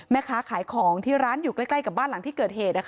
แม่ค้าขายของที่ร้านอยู่ใกล้กับบ้านหลังที่เกิดเหตุ